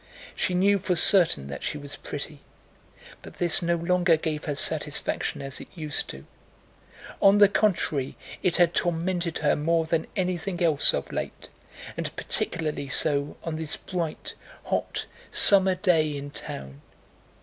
She knew for certain that she was pretty, but this no longer gave her satisfaction as it used to. On the contrary it tormented her more than anything else of late, and particularly so on this bright, hot summer day in town.